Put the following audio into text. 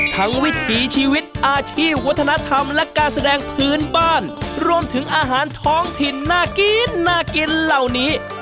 วิถีชีวิตอาชีพวัฒนธรรมและการแสดงพื้นบ้านรวมถึงอาหารท้องถิ่นน่ากินน่ากินเหล่านี้